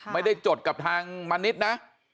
ไม่ได้จดกับทางมณิษฐ์นะ